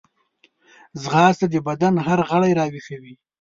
ځغاسته د بدن هر غړی راویښوي